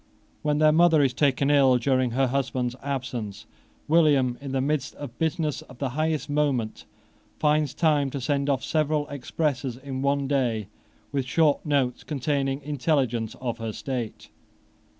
When their mother is taken ill during her husband's absence, William, in the midst of business of the highest moment, finds time to send off several expresses in one day with short notes containing intelligence of her state.